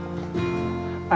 ibu tenang ya